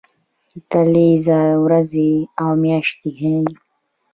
کلیزه ورځې او میاشتې ښيي